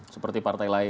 seperti partai lain